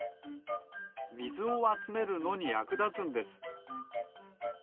みずをあつめるのにやくだつんです。